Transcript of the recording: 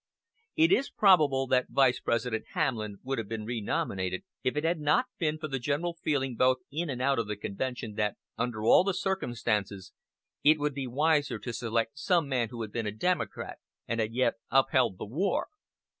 It is probable that Vice President Hamlin would have been renominated, if it had not been for the general feeling both in and out of the convention that, under all the circumstances, it would be wiser to select some man who had been a Democrat, and had yet upheld the war.